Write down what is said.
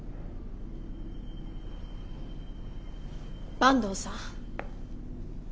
坂東さん。